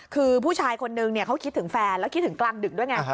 คือผู้ชายคนนึงเขาคิดถึงแฟนแล้วคิดถึงกลางดึกด้วยไง